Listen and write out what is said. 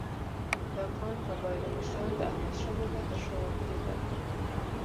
د افغان قبایلو مشران د احمدشاه بابا تر شا ودرېدل.